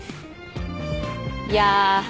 いや。